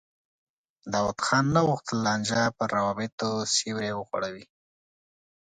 داود خان نه غوښتل لانجه پر روابطو سیوری وغوړوي.